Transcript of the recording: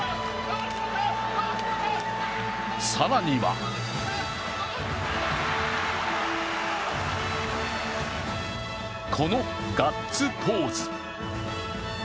更にはこのガッツポーズ。